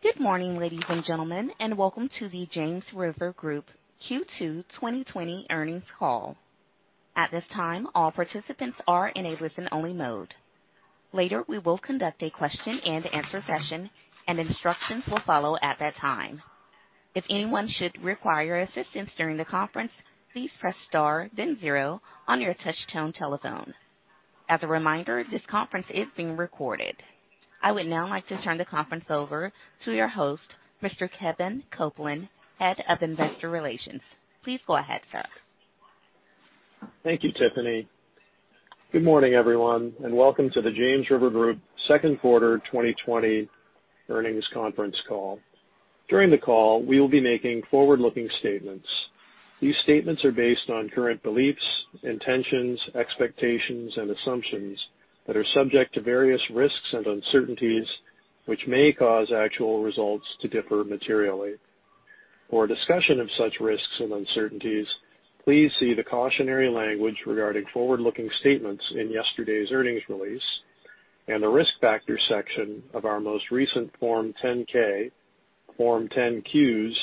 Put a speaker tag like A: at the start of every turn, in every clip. A: Good morning, ladies and gentlemen, welcome to the James River Group Q2 2020 earnings call. At this time, all participants are in a listen-only mode. Later, we will conduct a question and answer session, and instructions will follow at that time. If anyone should require assistance during the conference, please press star then zero on your touch-tone telephone. As a reminder, this conference is being recorded. I would now like to turn the conference over to your host, Mr. Kevin Copeland, head of investor relations. Please go ahead, sir.
B: Thank you, Tiffany. Good morning, everyone, and welcome to the James River Group second quarter 2020 earnings conference call. During the call, we will be making forward-looking statements. These statements are based on current beliefs, intentions, expectations, and assumptions that are subject to various risks and uncertainties, which may cause actual results to differ materially. For a discussion of such risks and uncertainties, please see the cautionary language regarding forward-looking statements in yesterday's earnings release and the Risk Factors section of our most recent Form 10-K, Form 10-Qs,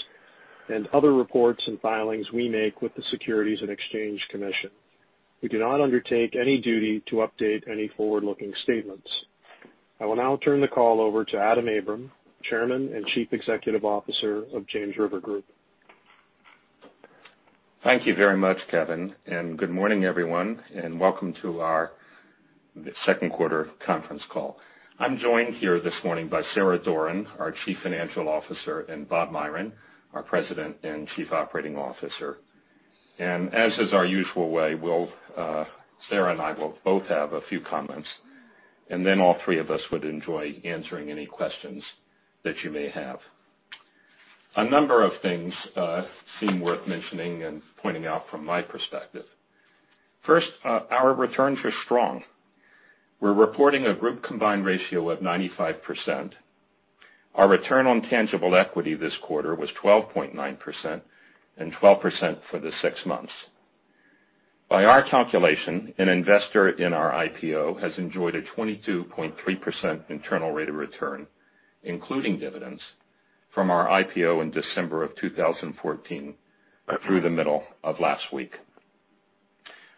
B: and other reports and filings we make with the Securities and Exchange Commission. We do not undertake any duty to update any forward-looking statements. I will now turn the call over to Adam Abram, chairman and chief executive officer of James River Group.
C: Thank you very much, Kevin, and good morning, everyone, and welcome to our second quarter conference call. I'm joined here this morning by Sarah Doran, our chief financial officer, and Bob Myron, our president and chief operating officer. As is our usual way, Sarah and I will both have a few comments, then all three of us would enjoy answering any questions that you may have. A number of things seem worth mentioning and pointing out from my perspective. First, our returns are strong. We're reporting a group combined ratio of 95%. Our return on tangible equity this quarter was 12.9% and 12% for the six months. By our calculation, an investor in our IPO has enjoyed a 22.3% internal rate of return, including dividends from our IPO in December of 2014 through the middle of last week.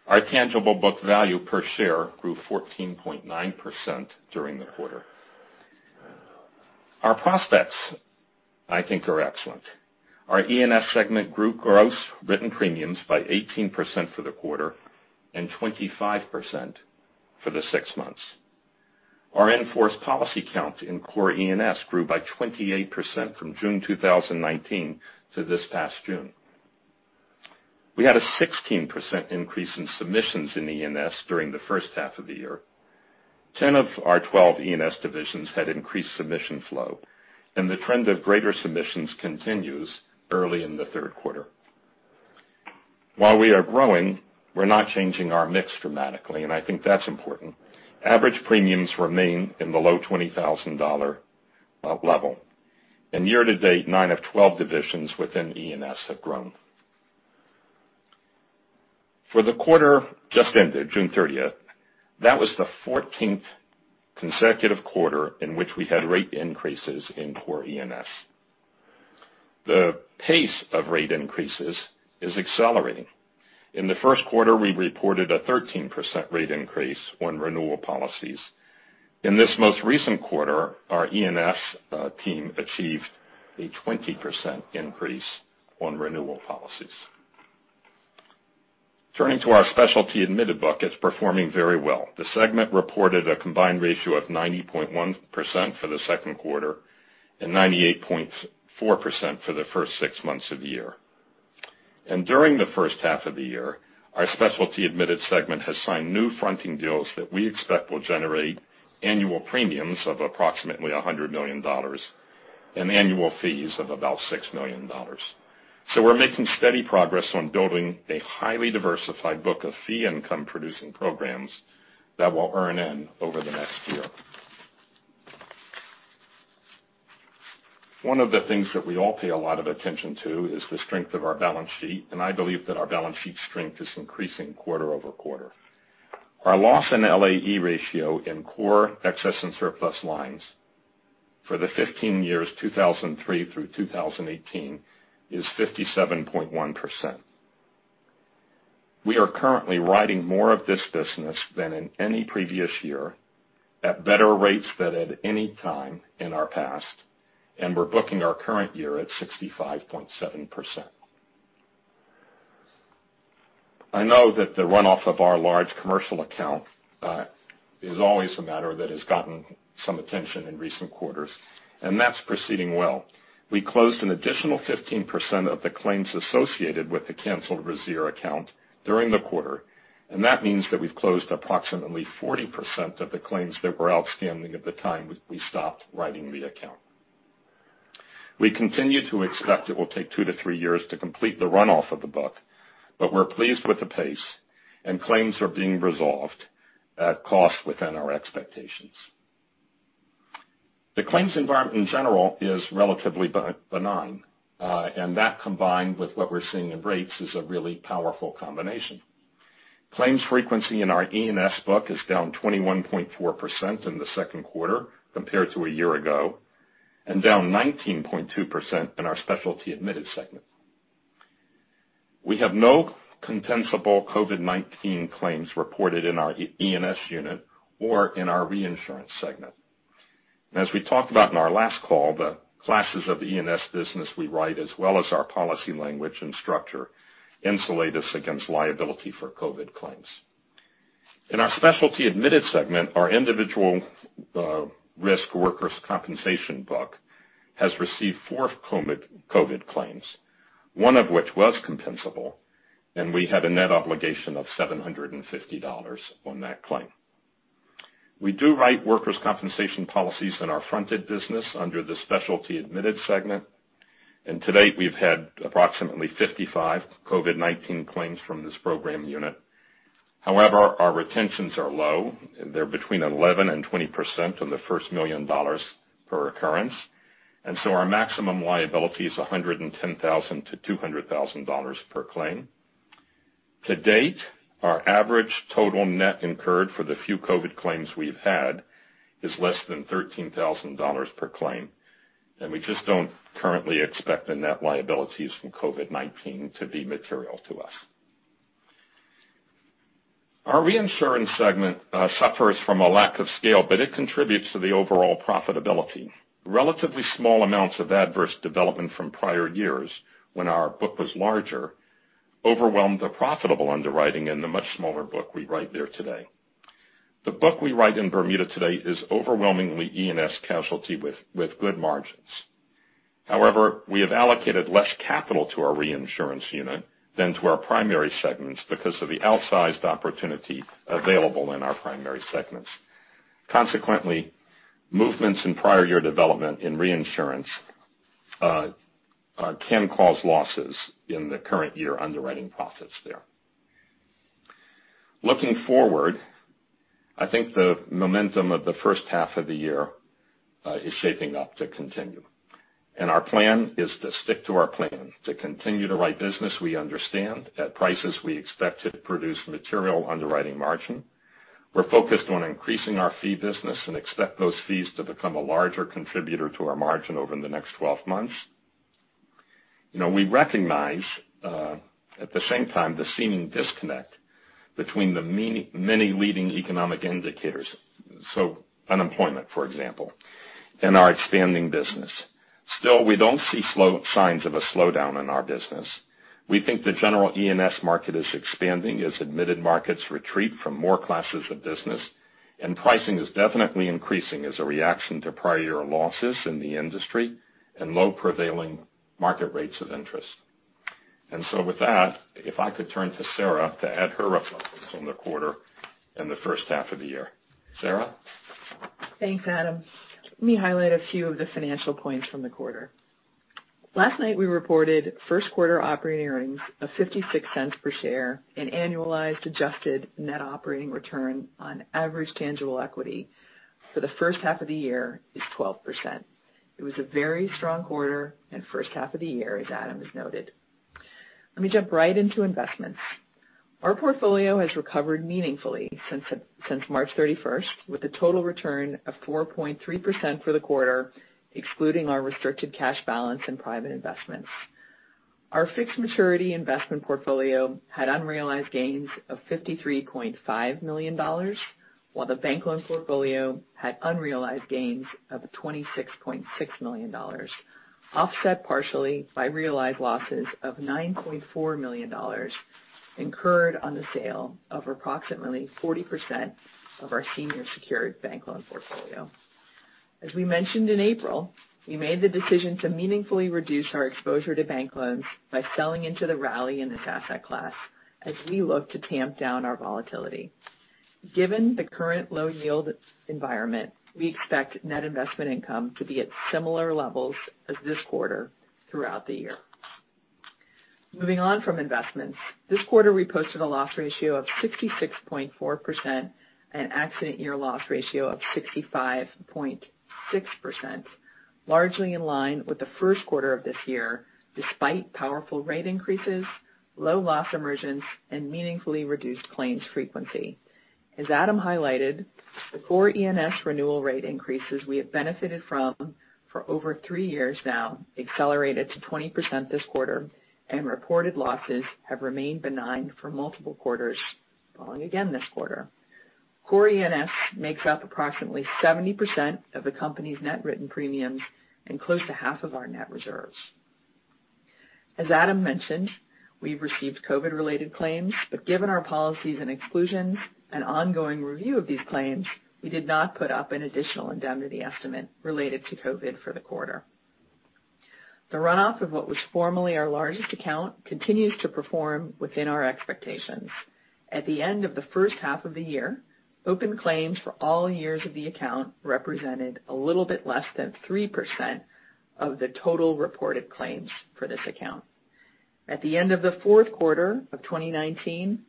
C: Our tangible book value per share grew 14.9% during the quarter. Our prospects, I think, are excellent. Our E&S segment grew gross written premiums by 18% for the quarter and 25% for the six months. Our in-force policy count in Core E&S grew by 28% from June 2019 to this past June. We had a 16% increase in submissions in E&S during the first half of the year. 10 of our 12 E&S divisions had increased submission flow, and the trend of greater submissions continues early in the third quarter. While we are growing, we're not changing our mix dramatically, and I think that's important. Average premiums remain in the low $20,000 level. Year to date, nine of 12 divisions within E&S have grown. For the quarter just ended, June 30th, that was the 14th consecutive quarter in which we had rate increases in Core E&S. The pace of rate increases is accelerating. In the first quarter, we reported a 13% rate increase on renewal policies. In this most recent quarter, our E&S team achieved a 20% increase on renewal policies. Turning to our Specialty Admitted book, it's performing very well. The segment reported a combined ratio of 90.1% for the second quarter and 98.4% for the first six months of the year. During the first half of the year, our Specialty Admitted segment has signed new fronting deals that we expect will generate annual premiums of approximately $100 million and annual fees of about $6 million. We're making steady progress on building a highly diversified book of fee income producing programs that will earn in over the next year. One of the things that we all pay a lot of attention to is the strength of our balance sheet, I believe that our balance sheet strength is increasing quarter-over-quarter. Our loss in LAE ratio in core Excess and Surplus Lines for the 15 years 2003 through 2018 is 57.1%. We are currently writing more of this business than in any previous year at better rates than at any time in our past, we're booking our current year at 65.7%. I know that the runoff of our large commercial account is always a matter that has gotten some attention in recent quarters, that's proceeding well. We closed an additional 15% of the claims associated with the canceled Rasier account during the quarter, that means that we've closed approximately 40% of the claims that were outstanding at the time we stopped writing the account. We continue to expect it will take two to three years to complete the runoff of the book, we're pleased with the pace and claims are being resolved at cost within our expectations. The claims environment, in general, is relatively benign, that combined with what we're seeing in rates is a really powerful combination. Claims frequency in our E&S book is down 21.4% in the second quarter compared to a year ago, down 19.2% in our Specialty Admitted segment. We have no compensable COVID-19 claims reported in our E&S unit or in our reinsurance segment. As we talked about in our last call, the classes of E&S business we write, as well as our policy language and structure, insulate us against liability for COVID claims. In our Specialty Admitted segment, our individual risk workers' compensation book has received four COVID claims, one of which was compensable, we had a net obligation of $750 on that claim. We do write workers' compensation policies in our fronted business under the Specialty Admitted segment, to date, we've had approximately 55 COVID-19 claims from this program unit. Our retentions are low. They're between 11%-20% on the first $1 million per occurrence, our maximum liability is $110,000-$200,000 per claim. To date, our average total net incurred for the few COVID claims we've had is less than $13,000 per claim, we just don't currently expect the net liabilities from COVID-19 to be material to us. Our reinsurance segment suffers from a lack of scale, it contributes to the overall profitability. Relatively small amounts of adverse development from prior years when our book was larger overwhelmed the profitable underwriting in the much smaller book we write there today. The book we write in Bermuda today is overwhelmingly E&S casualty with good margins. We have allocated less capital to our reinsurance unit than to our primary segments because of the outsized opportunity available in our primary segments. Movements in prior year development in reinsurance can cause losses in the current year underwriting profits there. Looking forward, I think the momentum of the first half of the year is shaping up to continue. Our plan is to stick to our plan to continue to write business we understand at prices we expect to produce material underwriting margin. We're focused on increasing our fee business and expect those fees to become a larger contributor to our margin over the next 12 months. We recognize, at the same time, the seeming disconnect between the many leading economic indicators, unemployment, for example, and our expanding business. We don't see signs of a slowdown in our business. We think the general E&S market is expanding as admitted markets retreat from more classes of business, pricing is definitely increasing as a reaction to prior losses in the industry and low prevailing market rates of interest. With that, if I could turn to Sarah to add her reflections on the quarter and the first half of the year. Sarah?
D: Thanks, Adam. Let me highlight a few of the financial points from the quarter. Last night, we reported first quarter operating earnings of $0.56 per share annualized adjusted net operating return on average tangible equity for the first half of the year is 12%. It was a very strong quarter and first half of the year, as Adam has noted. Let me jump right into investments. Our portfolio has recovered meaningfully since March 31st, with a total return of 4.3% for the quarter, excluding our restricted cash balance and private investments. Our fixed maturity investment portfolio had unrealized gains of $53.5 million, while the bank loan portfolio had unrealized gains of $26.6 million, offset partially by realized losses of $9.4 million incurred on the sale of approximately 40% of our senior secured bank loan portfolio. As we mentioned in April, we made the decision to meaningfully reduce our exposure to bank loans by selling into the rally in this asset class as we look to tamp down our volatility. Given the current low yield environment, we expect net investment income to be at similar levels as this quarter throughout the year. Moving on from investments. This quarter, we posted a loss ratio of 66.4% accident year loss ratio of 65.6%, largely in line with the first quarter of this year, despite powerful rate increases, low loss emergence, meaningfully reduced claims frequency. As Adam highlighted, the Core E&S renewal rate increases we have benefited from for over three years now accelerated to 20% this quarter, reported losses have remained benign for multiple quarters, falling again this quarter. Core E&S makes up approximately 70% of the company's net written premiums and close to half of our net reserves. As Adam mentioned, we've received COVID-related claims, but given our policies and exclusions and ongoing review of these claims, we did not put up an additional indemnity estimate related to COVID for the quarter. The runoff of what was formerly our largest account continues to perform within our expectations. At the end of the first half of the year, open claims for all years of the account represented a little bit less than 3% of the total reported claims for this account. At the end of the fourth quarter of 2019,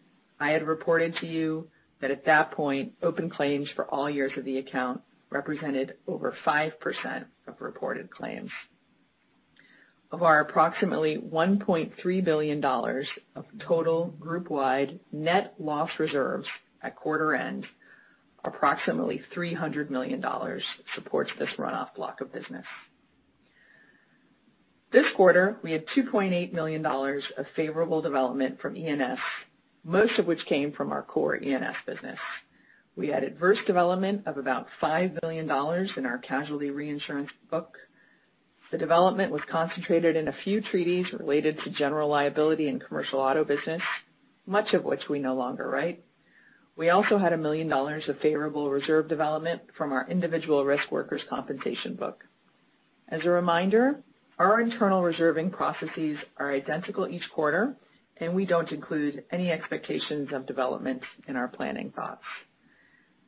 D: I had reported to you that at that point, open claims for all years of the account represented over 5% of reported claims. Of our approximately $1.3 billion of total group-wide net loss reserves at quarter end, approximately $300 million supports this runoff block of business. This quarter, we had $2.8 million of favorable development from E&S, most of which came from our Core E&S business. We had adverse development of about $5 million in our casualty reinsurance book. The development was concentrated in a few treaties related to general liability and commercial auto business, much of which we no longer write. We also had $1 million of favorable reserve development from our individual risk workers' compensation book.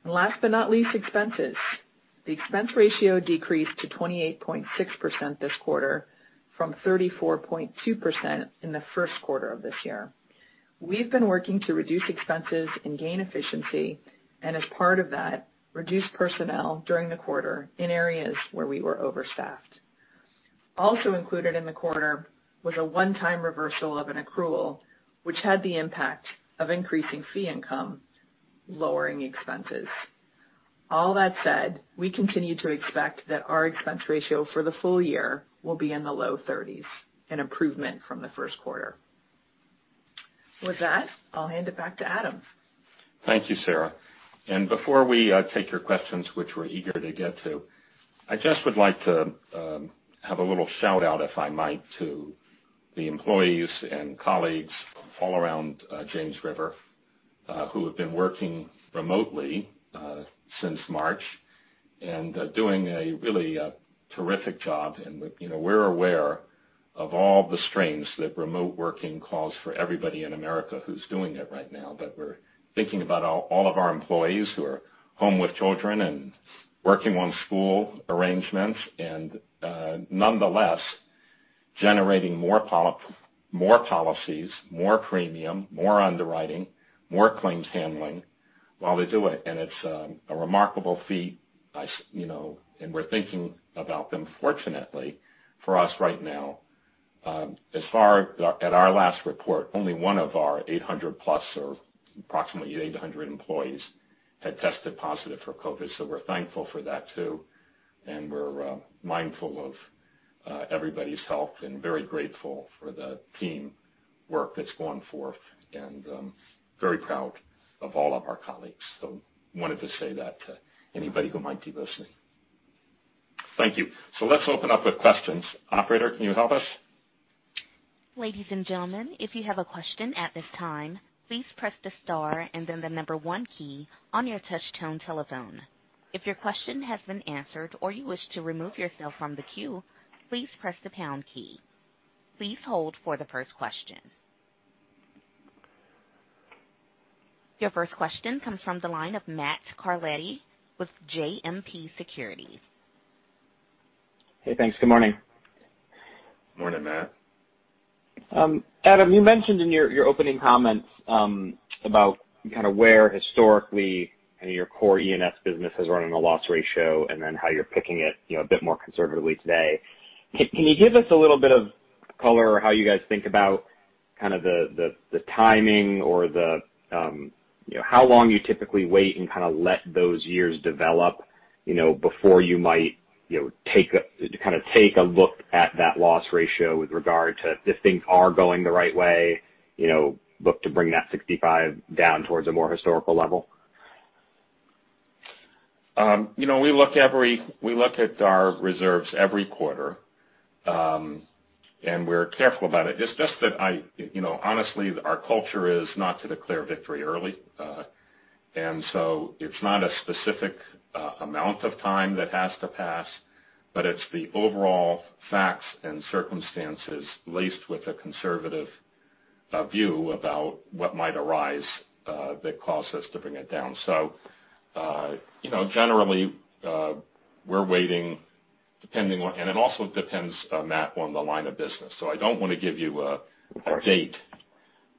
D: Last but not least, expenses. The expense ratio decreased to 28.6% this quarter from 34.2% in the first quarter of this year. We've been working to reduce expenses and gain efficiency, and as part of that, reduced personnel during the quarter in areas where we were overstaffed. Also included in the quarter was a one-time reversal of an accrual, which had the impact of increasing fee income, lowering expenses. All that said, we continue to expect that our expense ratio for the full year will be in the low 30s, an improvement from the first quarter. With that, I'll hand it back to Adam.
C: Thank you, Sarah. Before we take your questions, which we're eager to get to, I just would like to have a little shout-out, if I might, to the employees and colleagues all around James River, who have been working remotely since March and doing a really terrific job and we're aware of all the strains that remote working calls for everybody in America who's doing it right now. We're thinking about all of our employees who are home with children and working on school arrangements and nonetheless generating more policies, more premium, more underwriting, more claims handling while they do it, and it's a remarkable feat. We're thinking about them. Fortunately for us right now, at our last report, only one of our 800 plus, or approximately 800 employees, had tested positive for COVID, we're thankful for that too, and we're mindful of everybody's health and very grateful for the teamwork that's going forth and very proud of all of our colleagues. Wanted to say that to anybody who might be listening. Thank you. Let's open up with questions. Operator, can you help us?
A: Ladies and gentlemen, if you have a question at this time, please press the star and then the number one key on your touchtone telephone. If your question has been answered or you wish to remove yourself from the queue, please press the pound key. Please hold for the first question. Your first question comes from the line of Matthew Carletti with JMP Securities.
E: Hey, thanks. Good morning.
C: Morning, Matt.
E: Adam, you mentioned in your opening comments about where historically your Core E&S business has run in the loss ratio how you're picking it a bit more conservatively today. Can you give us a little bit of color how you guys think about the timing or how long you typically wait and let those years develop before you might take a look at that loss ratio with regard to if things are going the right way, look to bring that 65 down towards a more historical level?
C: We look at our reserves every quarter, we're careful about it. It's just that honestly, our culture is not to declare victory early. It's not a specific amount of time that has to pass, but it's the overall facts and circumstances, laced with a conservative view about what might arise, that cause us to bring it down. Generally, we're waiting, it also depends, Matt, on the line of business. I don't want to give you a date.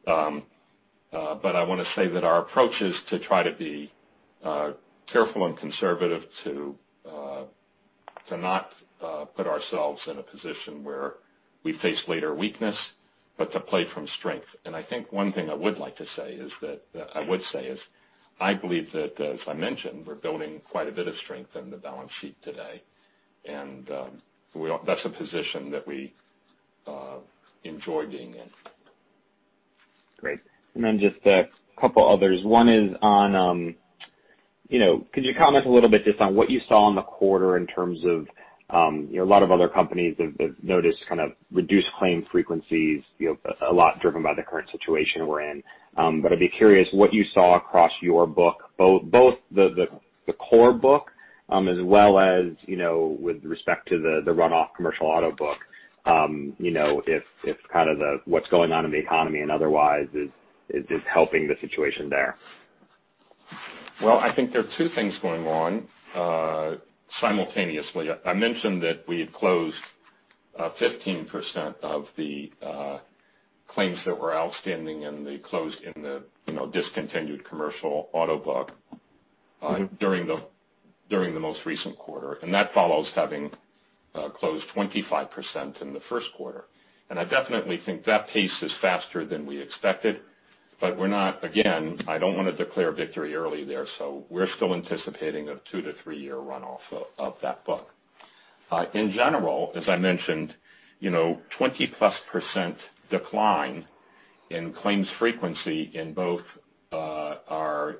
C: I want to say that our approach is to try to be careful and conservative to not put ourselves in a position where we face later weakness, but to play from strength. I think one thing I would say is, I believe that, as I mentioned, we're building quite a bit of strength in the balance sheet today, that's a position that we enjoy being in.
E: Great. Just a couple others. One is on could you comment a little bit just on what you saw in the quarter in terms of a lot of other companies have noticed reduced claim frequencies, a lot driven by the current situation we're in. I'd be curious what you saw across your book, both the Core book, as well as with respect to the runoff commercial auto book, if what's going on in the economy and otherwise is helping the situation there.
C: I think there are two things going on simultaneously. I mentioned that we had closed 15% of the claims that were outstanding and they closed in the discontinued commercial auto book during the most recent quarter. That follows having closed 25% in the first quarter. I definitely think that pace is faster than we expected, but we're not, again, I don't want to declare victory early there, so we're still anticipating a 2 to 3-year runoff of that book. In general, as I mentioned, 20-plus% decline in claims frequency in both our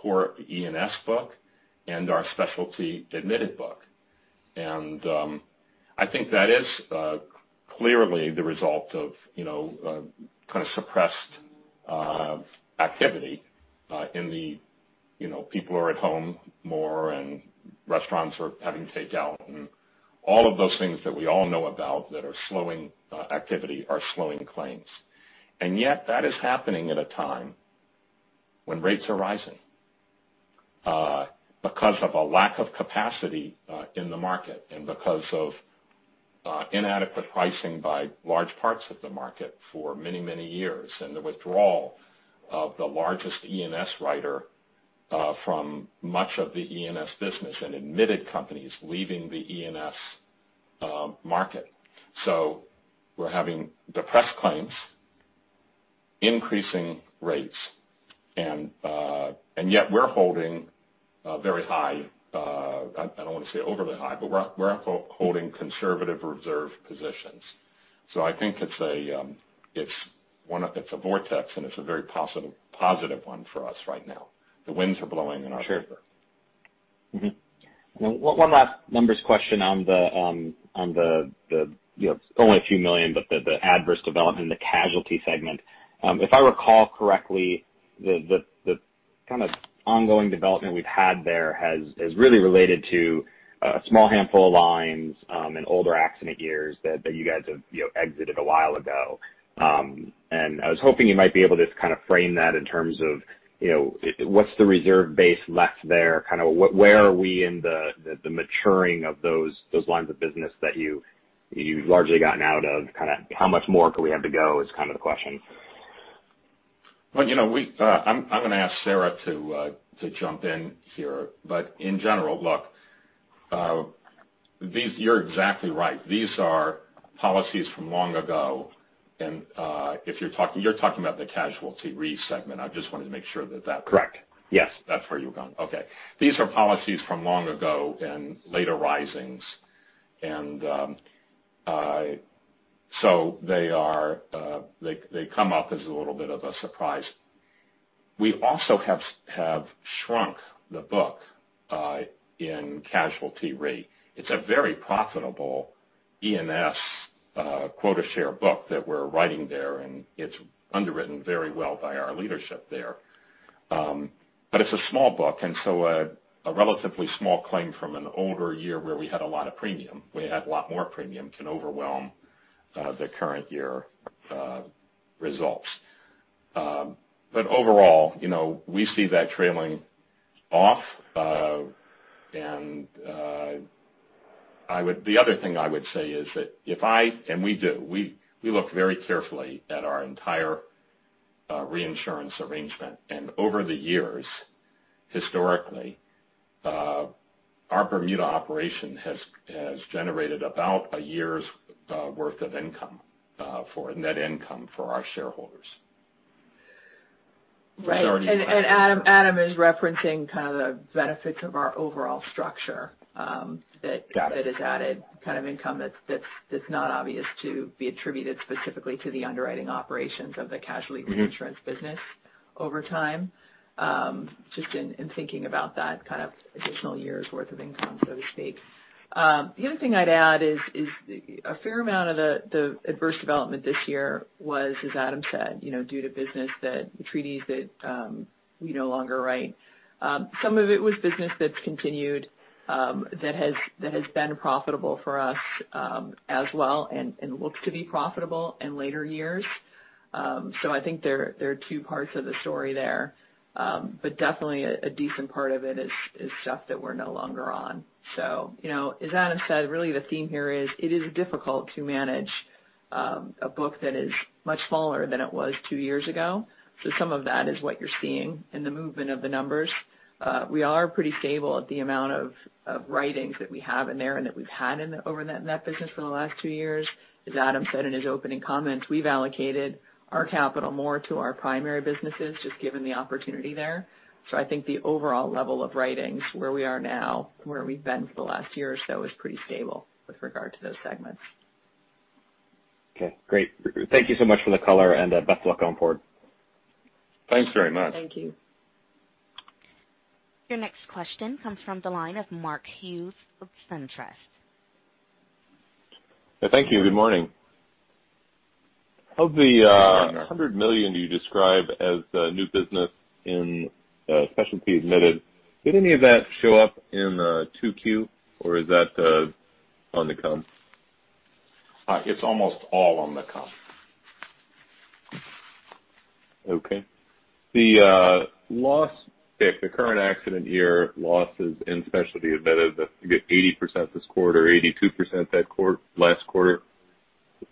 C: Core E&S book and our Specialty Admitted book. I think that is clearly the result of kind of suppressed activity in the people are at home more and restaurants are having takeout and all of those things that we all know about that are slowing activity, are slowing claims. Yet that is happening at a time when rates are rising because of a lack of capacity in the market and because of inadequate pricing by large parts of the market for many years, and the withdrawal of the largest E&S writer from much of the E&S business and admitted companies leaving the E&S market. We're having depressed claims, increasing rates, and yet we're holding very high, I don't want to say overly high, but we're holding conservative reserve positions. I think it's a vortex, and it's a very positive one for us right now. The winds are blowing in our favor.
E: Sure. One last numbers question on the only a few million, but the adverse development in the casualty segment. If I recall correctly, the kind of ongoing development we've had there has really related to a small handful of lines in older accident years that you guys have exited a while ago. I was hoping you might be able to kind of frame that in terms of what's the reserve base left there? Where are we in the maturing of those lines of business that you've largely gotten out of? How much more could we have to go is the question.
C: I'm going to ask Sarah to jump in here, but in general, look, you're exactly right. These are policies from long ago, and you're talking about the casualty re segment. I just wanted to make sure that.
E: Correct. Yes
C: That's where you're going. Okay. These are policies from long ago and later risings. They come up as a little bit of a surprise. We also have shrunk the book in casualty re. It's a very profitable E&S quota share book that we're writing there, and it's underwritten very well by our leadership there. It's a small book, a relatively small claim from an older year where we had a lot more premium can overwhelm the current year results. Overall, we see that trailing off. The other thing I would say is that we do, we look very carefully at our entire reinsurance arrangement. Over the years, historically, our Bermuda operation has generated about a year's worth of income for net income for our shareholders.
D: Right. Adam is referencing the benefits of our overall structure that is added income that's not obvious to be attributed specifically to the underwriting operations of the casualty reinsurance business over time. Just in thinking about that kind of additional year's worth of income, so to speak. The other thing I'd add is a fair amount of the adverse development this year was, as Adam said, due to business that the treaties that we no longer write. Some of it was business that's continued that has been profitable for us as well and looks to be profitable in later years. I think there are two parts of the story there. Definitely a decent part of it is stuff that we're no longer on. As Adam said, really the theme here is it is difficult to manage a book that is much smaller than it was two years ago. Some of that is what you're seeing in the movement of the numbers. We are pretty stable at the amount of writings that we have in there and that we've had over in that business for the last two years. As Adam said in his opening comments, we've allocated our capital more to our primary businesses, just given the opportunity there. I think the overall level of writings where we are now, where we've been for the last year or so, is pretty stable with regard to those segments.
E: Okay, great. Thank you so much for the color and best luck on forward.
C: Thanks very much.
D: Thank you.
A: Your next question comes from the line of Mark Hughes of SunTrust.
F: Thank you. Good morning.
C: Good morning, Mark
F: $100 million you describe as new business in Specialty Admitted, did any of that show up in 2Q or is that on the come?
C: It's almost all on the come.
F: Okay. The current accident year losses in Specialty Admitted that I think 80% this quarter, 82% last quarter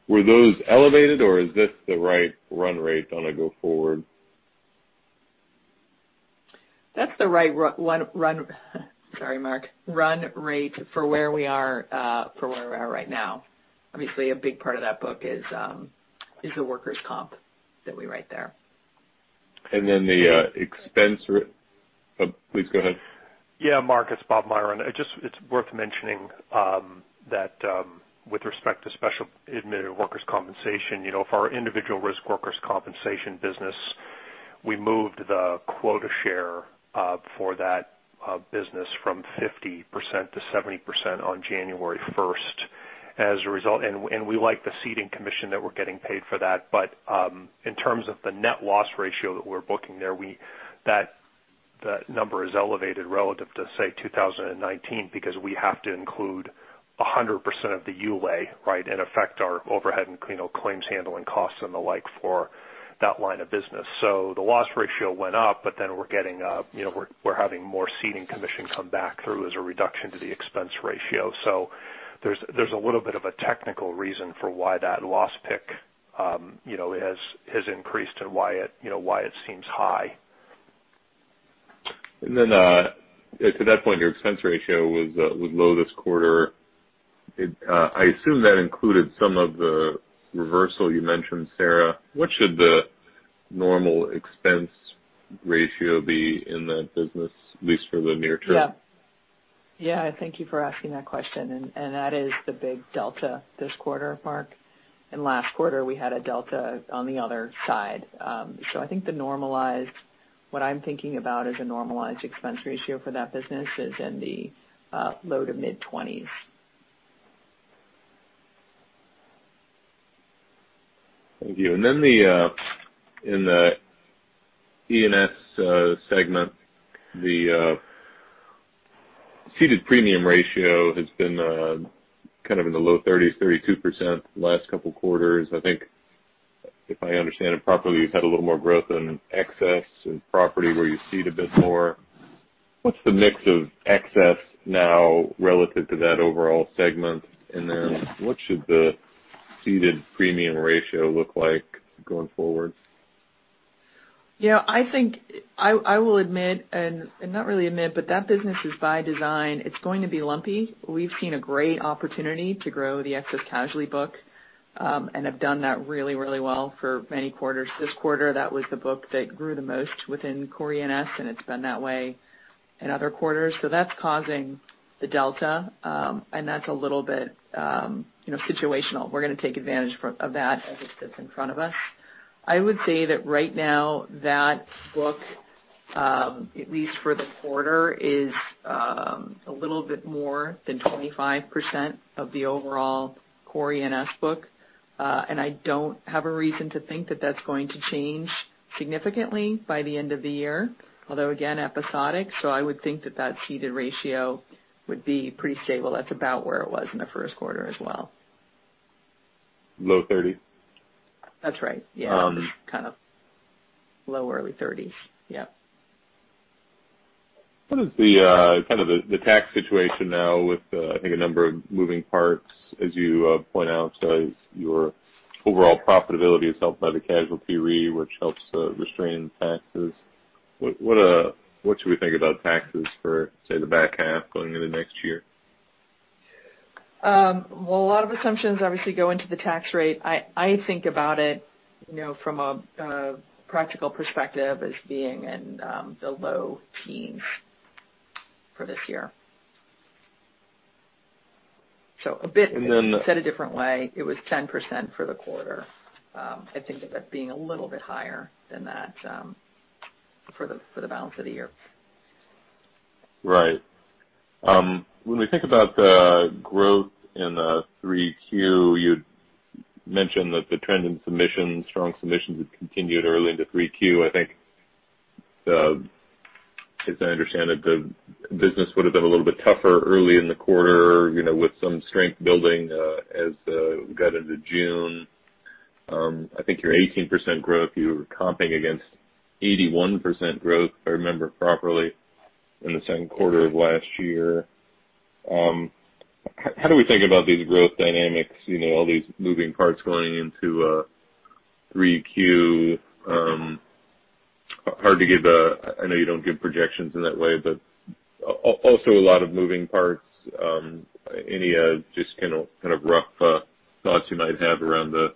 F: Were those elevated or is this the right run rate on a go forward?
D: That's the right run rate for where we are right now. Obviously, a big part of that book is the workers' comp that we write there.
F: Please go ahead.
G: Yeah, Mark, it's Bob Myron. It's worth mentioning that with respect to Specialty Admitted workers' compensation, for our individual risk workers' compensation business, we moved the quota share for that business from 50% to 70% on January 1st. We like the ceding commission that we're getting paid for that. In terms of the net loss ratio that we're booking there, that number is elevated relative to, say, 2019 because we have to include 100% of the ULAE, right? In effect, our overhead and claims handling costs and the like for that line of business. The loss ratio went up, but then we're having more ceding commission come back through as a reduction to the expense ratio. There's a little bit of a technical reason for why that loss pick has increased and why it seems high.
F: To that point, your expense ratio was low this quarter. I assume that included some of the reversal you mentioned, Sarah. What should the normal expense ratio be in that business, at least for the near term?
D: Yeah. Thank you for asking that question. That is the big delta this quarter, Mark, and last quarter, we had a delta on the other side. I think what I'm thinking about as a normalized expense ratio for that business is in the low to mid-20s.
F: Thank you. In the E&S segment, the ceded premium ratio has been kind of in the low 30s, 32% last couple of quarters. I think if I understand it properly, you've had a little more growth in excess and property where you cede a bit more. What's the mix of excess now relative to that overall segment? What should the ceded premium ratio look like going forward?
D: Yeah, I will admit, and not really admit, but that business is by design. It's going to be lumpy. We've seen a great opportunity to grow the excess casualty book, and have done that really well for many quarters. This quarter, that was the book that grew the most within Core E&S, and it's been that way in other quarters. That's causing the delta, and that's a little bit situational. We're going to take advantage of that as it sits in front of us. I would say that right now that book, at least for the quarter, is a little bit more than 25% of the overall Core E&S book. I don't have a reason to think that that's going to change significantly by the end of the year, although, again, episodic. I would think that that ceded ratio would be pretty stable. That's about where it was in the first quarter as well.
F: Low 30s?
D: That's right. Yeah. Kind of low, early 30s. Yep.
F: What is the tax situation now with, I think, a number of moving parts, as you point out, as your overall profitability is helped by the casualty re, which helps restrain taxes. What should we think about taxes for, say, the back half going into next year?
D: A lot of assumptions obviously go into the tax rate. I think about it from a practical perspective as being in the low teens for this year. Said a different way, it was 10% for the quarter. I think of it being a little bit higher than that for the balance of the year.
F: Right. When we think about the growth in 3Q, you mentioned that the trend in submissions, strong submissions, had continued early into 3Q. I think, as I understand it, the business would've been a little bit tougher early in the quarter with some strength building as we got into June. I think your 18% growth, you were comping against 81% growth, if I remember properly, in the second quarter of last year. How do we think about these growth dynamics, all these moving parts going into 3Q? I know you don't give projections in that way, but also a lot of moving parts. Any just kind of rough thoughts you might have around the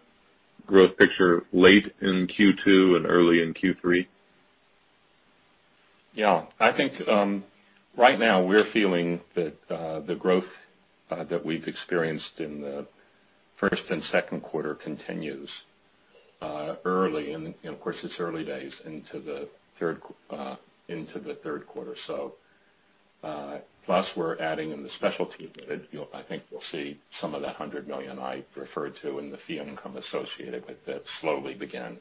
F: growth picture late in Q2 and early in Q3?
G: I think right now we're feeling that the growth that we've experienced in the first and second quarter continues early, and of course, it's early days into the third quarter. Plus, we're adding in the Specialty Admitted bit. I think we'll see some of that $100 million I referred to in the fee income associated with it slowly begin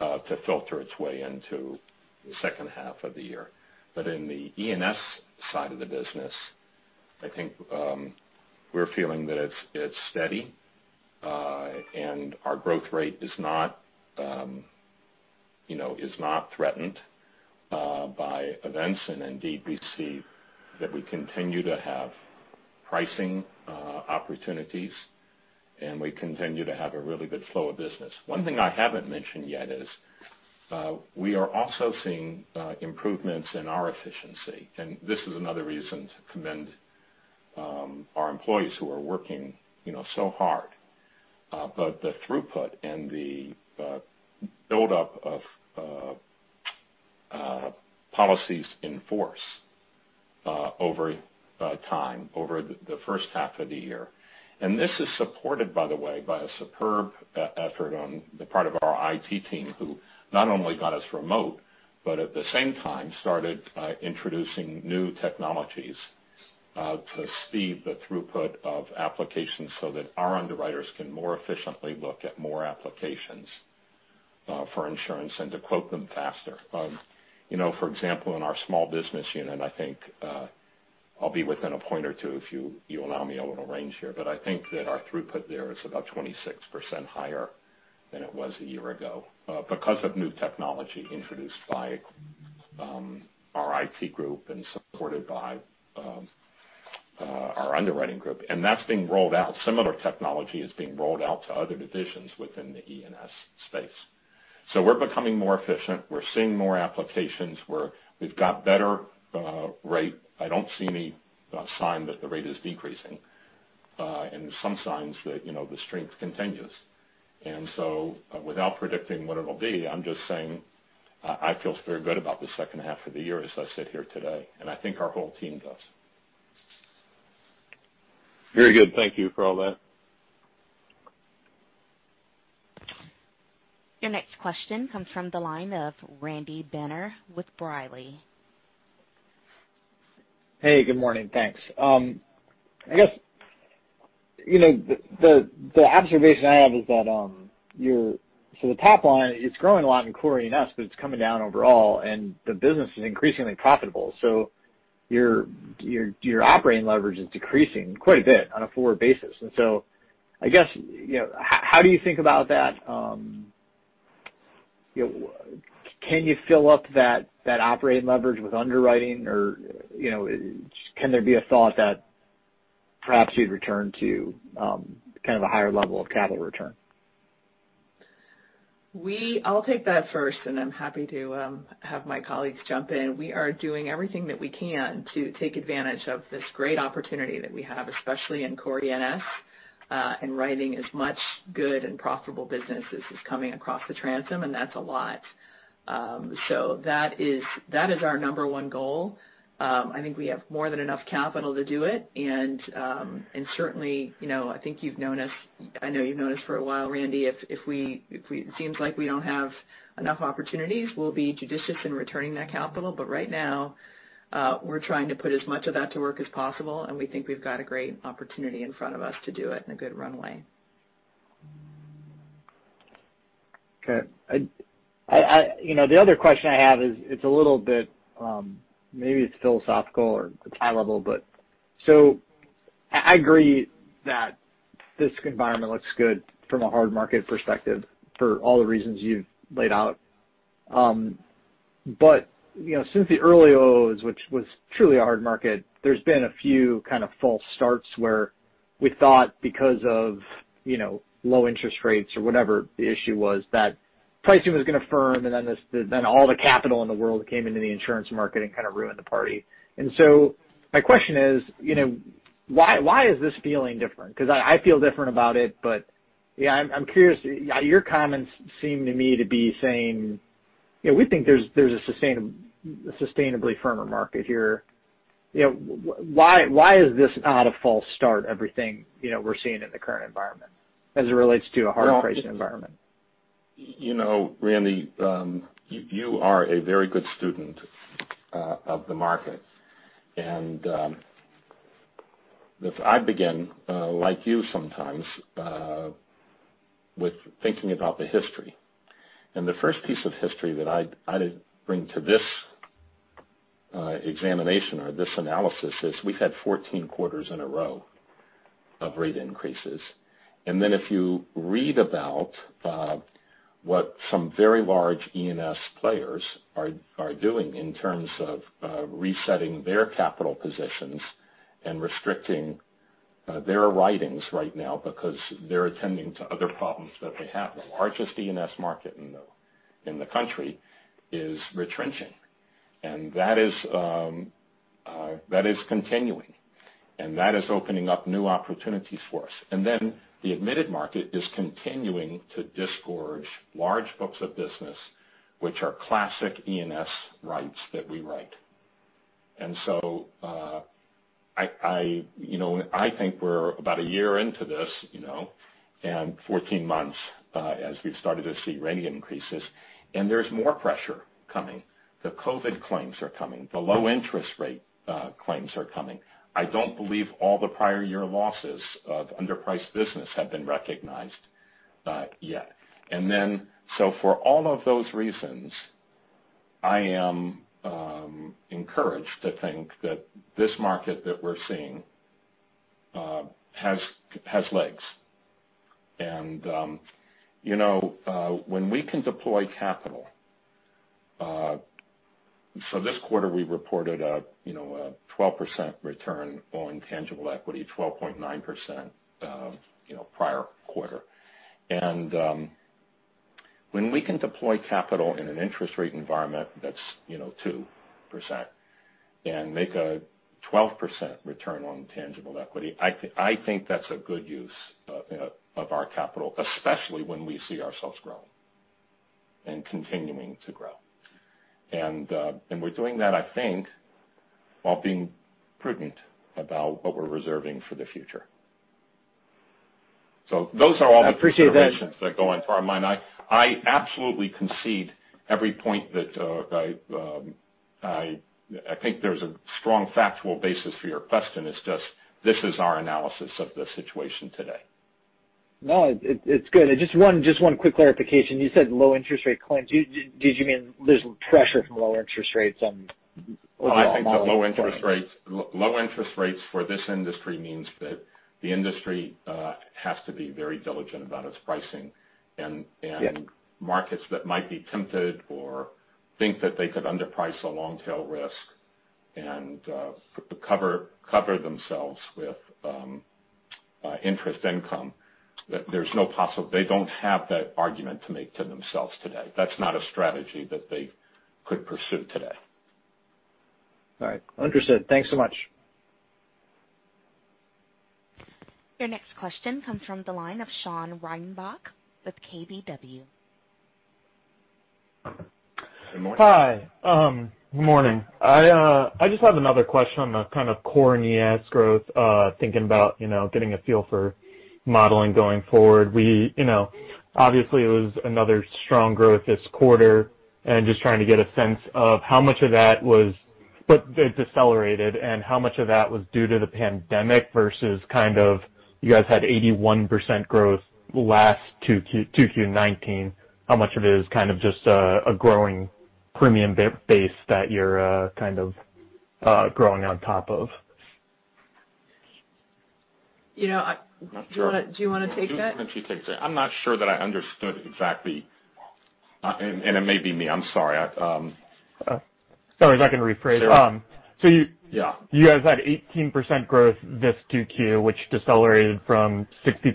G: to filter its way into the second half of the year. In the E&S side of the business, I think we're feeling that it's steady, and our growth rate is not
C: Is not threatened by events, indeed, we see that we continue to have pricing opportunities and we continue to have a really good flow of business. One thing I haven't mentioned yet is we are also seeing improvements in our efficiency, and this is another reason to commend our employees who are working so hard. The throughput and the buildup of policies in force over time, over the first half of the year. This is supported, by the way, by a superb effort on the part of our IT team, who not only got us remote, but at the same time started introducing new technologies to speed the throughput of applications so that our underwriters can more efficiently look at more applications for insurance and to quote them faster. For example, in our small business unit, I think I'll be within a point or two if you allow me a little range here, but I think that our throughput there is about 26% higher than it was a year ago because of new technology introduced by our IT group and supported by our underwriting group. That's being rolled out. Similar technology is being rolled out to other divisions within the E&S space. We're becoming more efficient. We're seeing more applications where we've got better rate. I don't see any sign that the rate is decreasing, and some signs that the strength continues. Without predicting what it'll be, I'm just saying I feel very good about the second half of the year as I sit here today, and I think our whole team does.
F: Very good. Thank you for all that.
A: Your next question comes from the line of Randy Binner with B. Riley.
H: Hey, good morning. Thanks. I guess the observation I have is that your top line, it's growing a lot in Core E&S, but it's coming down overall, and the business is increasingly profitable. Your operating leverage is decreasing quite a bit on a forward basis. I guess, how do you think about that? Can you fill up that operating leverage with underwriting or can there be a thought that perhaps you'd return to kind of a higher level of capital return?
D: I'll take that first, and I'm happy to have my colleagues jump in. We are doing everything that we can to take advantage of this great opportunity that we have, especially in Core E&S, and writing as much good and profitable business as is coming across the transom, and that's a lot. That is our number one goal. I think we have more than enough capital to do it. Certainly, I think you've known us, I know you've known us for a while, Randy Binner. If it seems like we don't have enough opportunities, we'll be judicious in returning that capital. Right now, we're trying to put as much of that to work as possible, and we think we've got a great opportunity in front of us to do it in a good runway.
H: Okay. The other question I have is it's a little bit, maybe it's philosophical or it's high level. I agree that this environment looks good from a hard market perspective for all the reasons you've laid out. Since the early '00s, which was truly a hard market, there's been a few kind of false starts where we thought because of low interest rates or whatever the issue was, that pricing was going to firm and then all the capital in the world came into the insurance market and kind of ruined the party. My question is why is this feeling different? Because I feel different about it, but yeah, I'm curious. Your comments seem to me to be saying we think there's a sustainably firmer market here. Why is this not a false start, everything we're seeing in the current environment as it relates to a hard pricing environment?
C: Randy Binner, you are a very good student of the market. If I begin, like you sometimes, with thinking about the history. The first piece of history that I'd bring to this examination or this analysis is we've had 14 quarters in a row of rate increases. If you read about what some very large E&S players are doing in terms of resetting their capital positions and restricting their writings right now because they're attending to other problems that they have. The largest E&S market in the country is retrenching, and that is continuing, and that is opening up new opportunities for us. The admitted market is continuing to disgorge large books of business, which are classic E&S writes that we write. I think we are about a year into this, and 14 months as we have started to see rate increases, and there is more pressure coming. The COVID claims are coming, the low interest rate claims are coming. I do not believe all the prior year losses of underpriced business have been recognized yet. For all of those reasons I am encouraged to think that this market that we are seeing has legs. When we can deploy capital. This quarter, we reported a 12% return on tangible equity, 12.9% prior quarter. When we can deploy capital in an interest rate environment that is 2% and make a 12% return on tangible equity, I think that is a good use of our capital, especially when we see ourselves growing and continuing to grow. We are doing that, I think, while being prudent about what we are reserving for the future. Those are all the considerations.
H: I appreciate that.
C: that go into our mind. I absolutely concede every point that I think there is a strong factual basis for your question. It is just, this is our analysis of the situation today.
H: No, it's good. Just one quick clarification. You said low interest rate claims. Did you mean there's pressure from lower interest rates on overall modeling?
C: I think the low interest rates for this industry means that the industry has to be very diligent about its pricing and-
H: Yeah
C: markets that might be tempted or think that they could underprice a long-tail risk and cover themselves with interest income, they don't have that argument to make to themselves today. That's not a strategy that they could pursue today.
H: All right. Understood. Thanks so much.
A: Your next question comes from the line of Sean Reitenbach with KBW.
C: Good morning.
I: Hi. Good morning. I just have another question on the kind of Core E&S growth, thinking about getting a feel for modeling going forward. Obviously, it was another strong growth this quarter, and just trying to get a sense of how much of that was-- but it decelerated, and how much of that was due to the pandemic versus you guys had 81% growth last 2Q 2019. How much of it is just a growing premium base that you're growing on top of?
D: Do you want to take that?
C: I'm not sure that she takes it. I'm not sure that I understood exactly, it may be me. I'm sorry.
I: Sorry. I can rephrase it.
C: Sure. Yeah.
I: You guys had 18% growth this 2Q, which decelerated from 65%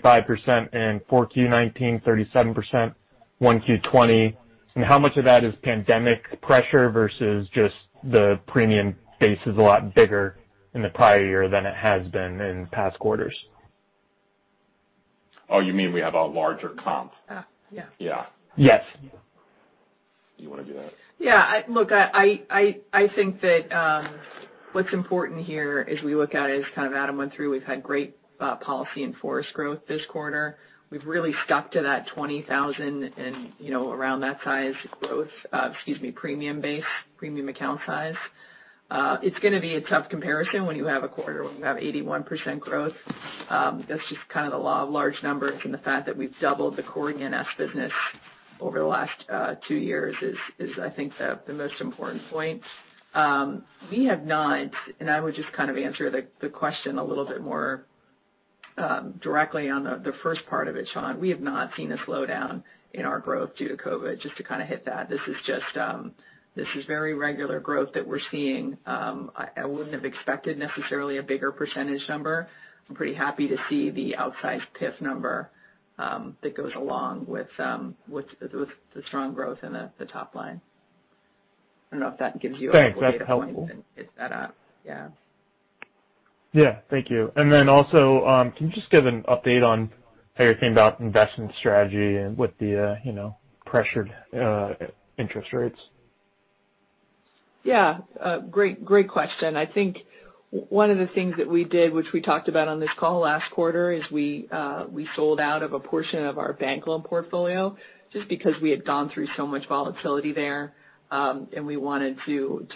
I: in 4Q 2019, 37% 1Q 2020, How much of that is pandemic pressure versus just the premium base is a lot bigger in the prior year than it has been in past quarters?
C: Oh, you mean we have a larger comp?
D: Yeah.
C: Yeah.
I: Yes.
C: You want to do that?
D: Yeah. Look, I think that what's important here as we look at it, as Adam went through, we've had great policy in force growth this quarter. We've really stuck to that 20,000 and around that size growth, excuse me, premium base, premium account size. It's going to be a tough comparison when you have a quarter where we have 81% growth. That's just the law of large numbers and the fact that we've doubled the Core E&S business over the last two years is I think the most important point. We have not, and I would just answer the question a little bit more directly on the first part of it, Sean. We have not seen a slowdown in our growth due to COVID, just to hit that. This is very regular growth that we're seeing. I wouldn't have expected necessarily a bigger percentage number. I'm pretty happy to see the outsized PIF number that goes along with the strong growth in the top line. I don't know if that gives you a little data point.
I: Thanks. That's helpful
D: to hit that up. Yeah.
I: Yeah, thank you. Then also, can you just give an update on how you're thinking about investment strategy with the pressured interest rates?
D: Yeah. Great question. I think one of the things that we did, which we talked about on this call last quarter is we sold out of a portion of our bank loan portfolio just because we had gone through so much volatility there, and we wanted to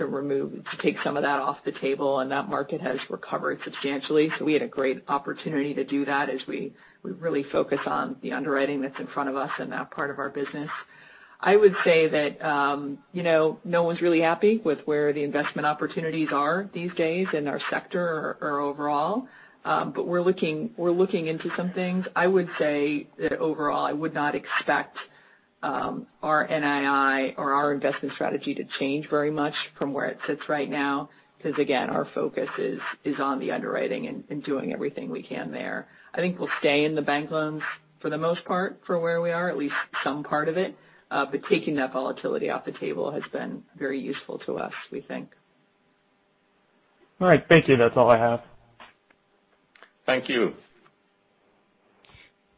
D: take some of that off the table, and that market has recovered substantially. We had a great opportunity to do that as we really focus on the underwriting that's in front of us in that part of our business. I would say that no one's really happy with where the investment opportunities are these days in our sector or overall, we're looking into some things. I would say that overall, I would not expect our NII or our investment strategy to change very much from where it sits right now because again, our focus is on the underwriting and doing everything we can there. I think we'll stay in the bank loans for the most part for where we are, at least some part of it. Taking that volatility off the table has been very useful to us, we think.
I: All right. Thank you. That's all I have.
C: Thank you.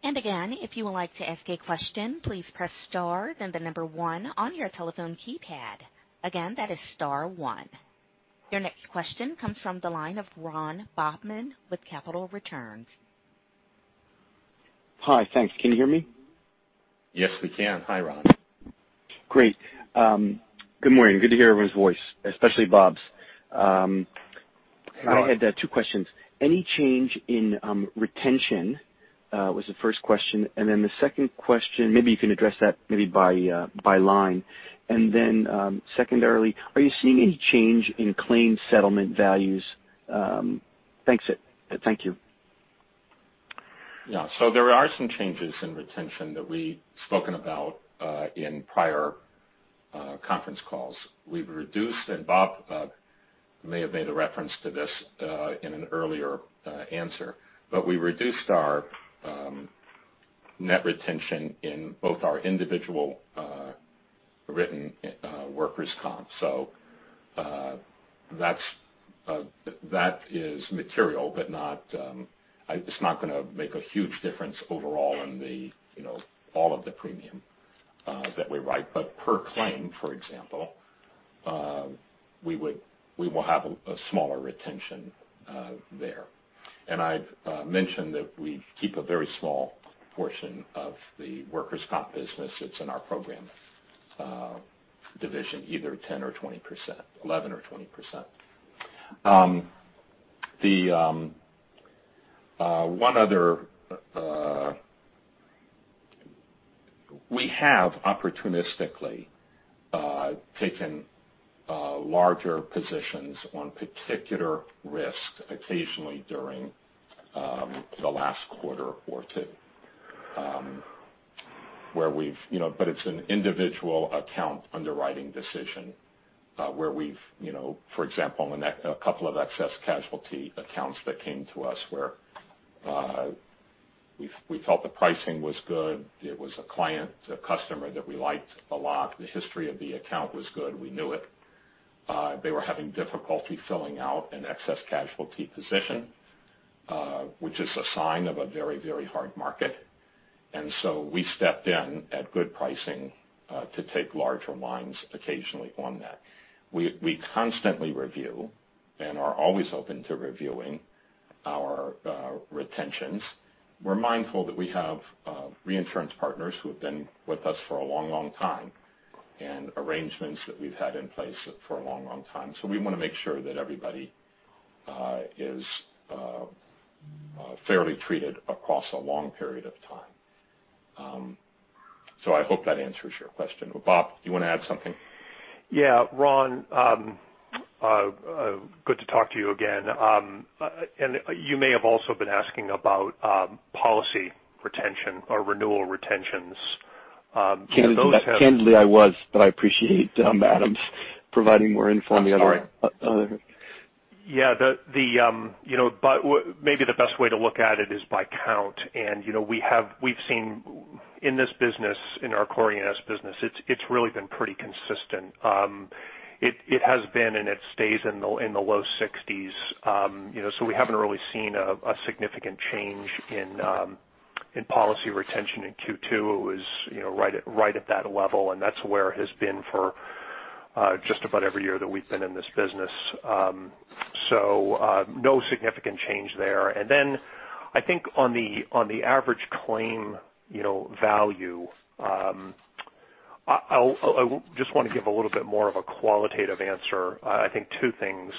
A: Again, if you would like to ask a question, please press star, then the number one on your telephone keypad. Again, that is star one. Your next question comes from the line of Ron Bobman with Capital Returns.
J: Hi. Thanks. Can you hear me?
C: Yes, we can. Hi, Ron.
J: Great. Good morning. Good to hear everyone's voice, especially Bob's. I have two questions. Any change in retention, was the first question. The second question, maybe you can address that maybe by line. Secondarily, are you seeing any change in claims settlement values? Thanks. Thank you.
C: Yeah. There are some changes in retention that we've spoken about in prior conference calls. We've reduced, and Bob may have made a reference to this in an earlier answer, but we reduced our net retention in both our individual workers' comp. That is material, but it's not going to make a huge difference overall in all of the premium that we write. Per claim, for example, we will have a smaller retention there. I've mentioned that we keep a very small portion of the workers' comp business that's in our program division, either 10% or 20%, 11% or 20%. We have opportunistically taken larger positions on particular risks occasionally during the last quarter or two. It's an individual account underwriting decision where we've, for example, a couple of excess casualty accounts that came to us where we felt the pricing was good. It was a client, a customer that we liked a lot. The history of the account was good. We knew it. They were having difficulty filling out an excess casualty position, which is a sign of a very hard market. We stepped in at good pricing to take larger lines occasionally on that. We constantly review and are always open to reviewing our retentions. We're mindful that we have reinsurance partners who have been with us for a long time, and arrangements that we've had in place for a long time. We want to make sure that everybody is fairly treated across a long period of time. I hope that answers your question. Bob, do you want to add something?
G: Yeah. Ron, good to talk to you again. You may have also been asking about policy retention or renewal retentions.
J: Candidly, I was. I appreciate Adam's providing more info.
C: I'm sorry.
G: Maybe the best way to look at it is by count. We've seen in this business, in our Core E&S business, it's really been pretty consistent. It has been, and it stays in the low 60s. We haven't really seen a significant change in policy retention in Q2. It was right at that level, and that's where it has been for just about every year that we've been in this business. No significant change there. Then I think on the average claim value, I just want to give a little bit more of a qualitative answer. I think two things.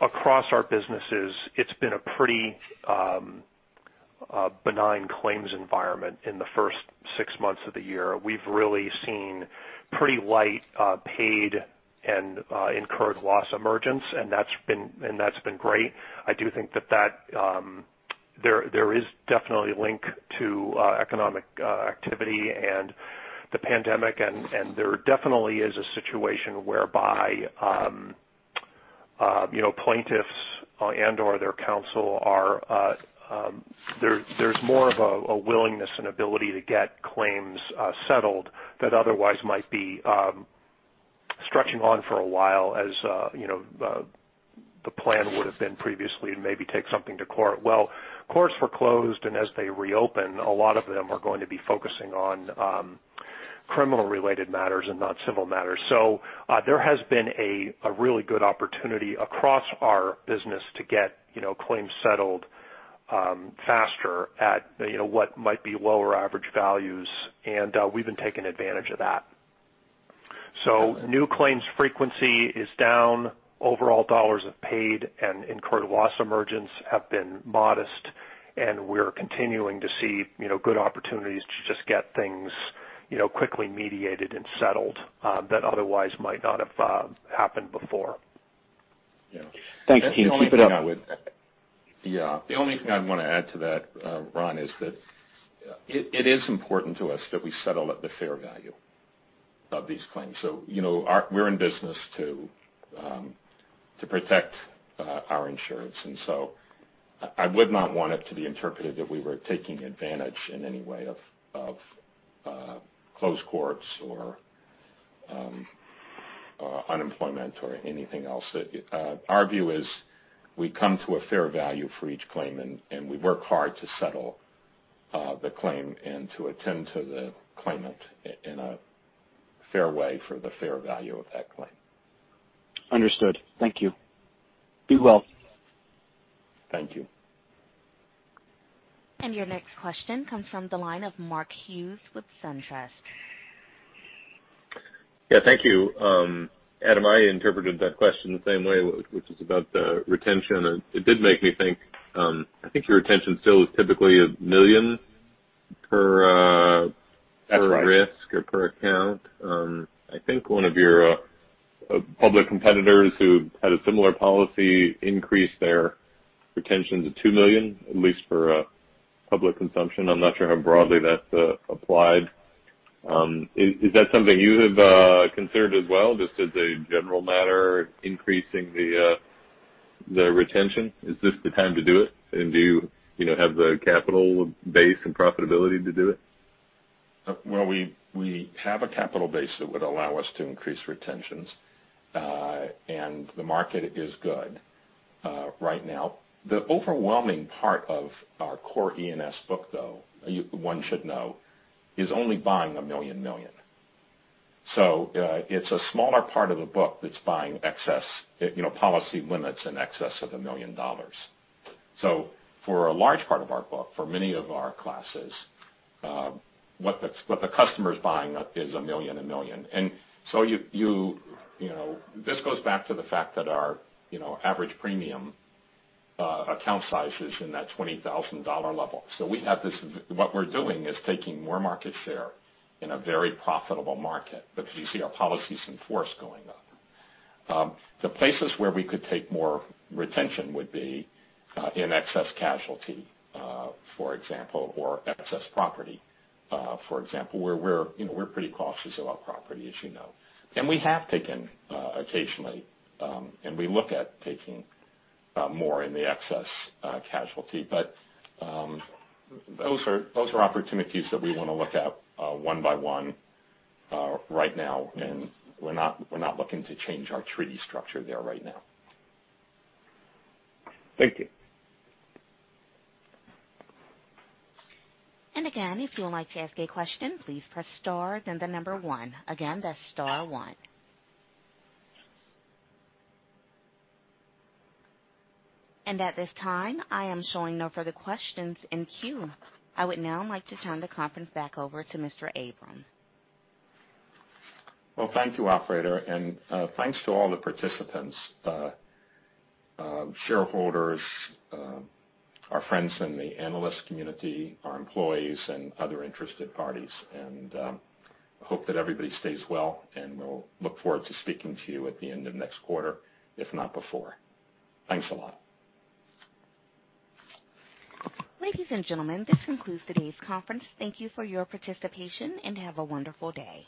G: Across our businesses, it's been a pretty benign claims environment in the first six months of the year. We've really seen pretty light paid and incurred loss emergence, and that's been great. I do think that there is definitely a link to economic activity and the pandemic, and there definitely is a situation whereby plaintiffs and/or their counsel. There's more of a willingness and ability to get claims settled that otherwise might be stretching on for a while as the plan would've been previously, maybe take something to court. Courts were closed, as they reopen, a lot of them are going to be focusing on criminal-related matters and not civil matters. There has been a really good opportunity across our business to get claims settled faster at what might be lower average values, we've been taking advantage of that. New claims frequency is down. Overall dollars of paid and incurred loss emergence have been modest, we're continuing to see good opportunities to just get things quickly mediated and settled that otherwise might not have happened before.
J: Thanks, team. Keep it up.
C: Yeah. The only thing I want to add to that, Ron, is that it is important to us that we settle at the fair value of these claims. We're in business to protect our insureds, I would not want it to be interpreted that we were taking advantage in any way of closed courts or unemployment or anything else. Our view is we come to a fair value for each claim, we work hard to settle the claim and to attend to the claimant in a fair way for the fair value of that claim.
J: Understood. Thank you. Be well.
C: Thank you.
A: Your next question comes from the line of Mark Hughes with SunTrust.
F: Yeah, thank you. Adam, I interpreted that question the same way, which is about the retention. It did make me think, I think your retention still is typically $1 million per-
C: That's right
F: risk or per account. I think one of your public competitors who had a similar policy increased their retention to $2 million, at least for public consumption. I'm not sure how broadly that's applied. Is that something you have considered as well, just as a general matter, increasing the retention? Is this the time to do it? Do you have the capital base and profitability to do it?
C: Well, we have a capital base that would allow us to increase retentions. The market is good right now. The overwhelming part of our Core E&S book, though, one should know, is only buying $1 million/$1 million. It's a smaller part of the book that's buying policy limits in excess of $1 million. For a large part of our book, for many of our classes, what the customer's buying is $1 million/$1 million. This goes back to the fact that our average premium account size is in that $20,000 level. What we're doing is taking more market share in a very profitable market because you see our policies in force going up. The places where we could take more retention would be in excess casualty, for example, or excess property, for example, where we're pretty cautious about property, as you know. We have taken occasionally, and we look at taking more in the excess casualty. Those are opportunities that we want to look at one by one right now, and we're not looking to change our treaty structure there right now.
F: Thank you.
A: Again, if you would like to ask a question, please press star then the number 1. Again, that's star 1. At this time, I am showing no further questions in queue. I would now like to turn the conference back over to Mr. Abram.
C: Well, thank you, operator, thanks to all the participants, shareholders, our friends in the analyst community, our employees, and other interested parties. I hope that everybody stays well, and we'll look forward to speaking to you at the end of next quarter, if not before. Thanks a lot.
A: Ladies and gentlemen, this concludes today's conference. Thank you for your participation, and have a wonderful day.